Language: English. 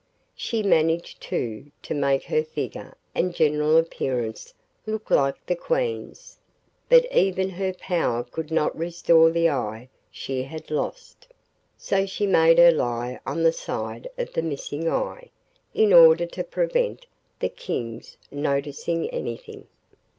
She managed, too, to make her figure and general appearance look like the Queen's, but even her power could not restore the eye she had lost; so she made her lie on the side of the missing eye, in order to prevent the King's noticing anything.